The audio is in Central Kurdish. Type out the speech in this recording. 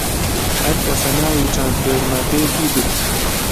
هەر کەسە ناوی چەند پێشمەرگەیەکی گوت